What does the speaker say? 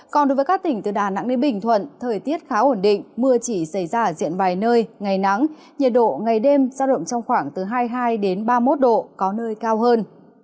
còn đối với các tỉnh từ đà nẵng đến bình thuận thời tiết khá ổn định mưa chỉ xảy ra ở diện vài nơi ngày nắng nhiệt độ ngày đêm giao động trong khoảng từ hai mươi hai ba mươi một độ có nơi cao hơn